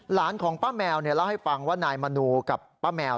หลานของป้าแมวเล่าให้ฟังว่านายมนูกับป้าแมว